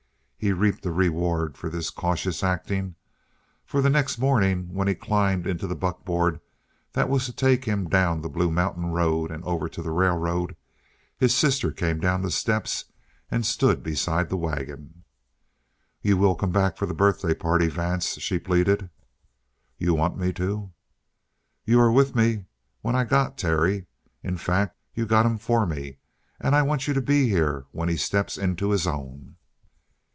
He reaped a reward for this cautious acting, for the next morning, when he climbed into the buckboard that was to take him down the Blue Mountain road and over to the railroad, his sister came down the steps and stood beside the wagon. "You will come back for the birthday party, Vance?" she pleaded. "You want me to?" "You were with me when I got Terry. In fact, you got him for me. And I want you to be here when he steps into his own."